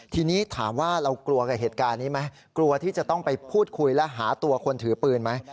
ทีนี้ถามว่าเรากลัวกับเหตุการณ์นี้ไหมกลัวที่จะต้องไปพูดคุยและหาตัวคนถือปืนไหม